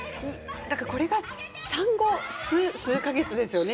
これが産後数か月ですよね。